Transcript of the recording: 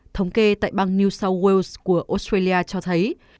thống kê tại bang new south wales của australia cho thấy